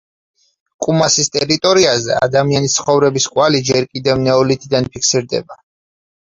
კუმასის ტერიტორიაზე ადამიანის ცხოვრების კვალი ჯერ კიდევ ნეოლითიდან ფიქსირდება.